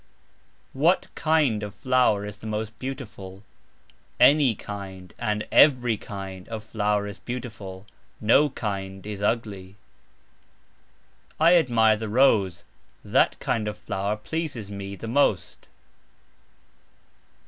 "What (kind of)" flower is the most beautiful? "Any kind" and "every kind" of flower is beautiful, "no kind" is ugly. I admire the rose, "that kind of" flower pleases me the most.